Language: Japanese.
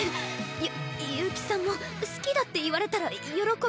ゆ優木さんも好きだって言われたら喜びます。